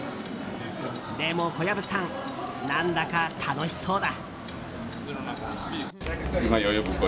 でも小籔さん、何だか楽しそうだ。